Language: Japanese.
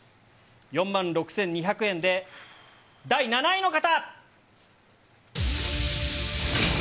４万６２００円で、第７位の方。